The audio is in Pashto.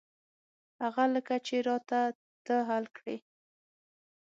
هغه لکه چې را ته ته حل کړې.